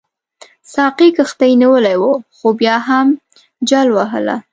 ساقي کښتۍ نیولې وه خو بیا هم جل وهله.